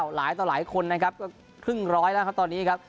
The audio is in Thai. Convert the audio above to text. หลายต่อหลายคนนะครับก็ครึ่งร้อยแล้วครับตอนนี้ครับ